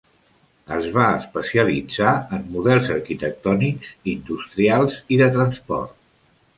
Es va especialitzar en models arquitectònics, industrials i de transport.